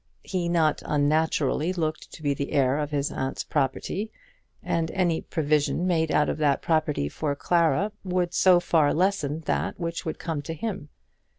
He not unnaturally looked to be the heir of his aunt's property, and any provision made out of that property for Clara, would so far lessen that which would come to him.